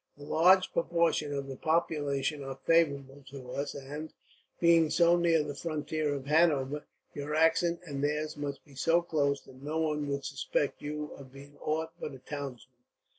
A large proportion of the population are favourable to us and, being so near the frontier of Hanover, your accent and theirs must be so close that no one would suspect you of being aught but a townsman.